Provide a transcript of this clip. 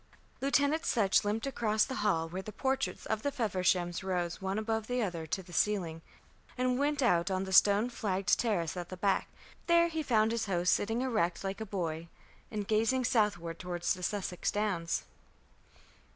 Lieutenant Sutch limped across the hall, where the portraits of the Fevershams rose one above the other to the ceiling, and went out on to the stone flagged terrace at the back. There he found his host sitting erect like a boy, and gazing southward toward the Sussex Downs.